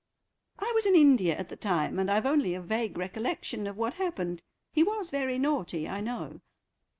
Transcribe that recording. "I was in India at the time, and I've only a vague recollection of what happened; he was very naughty, I know."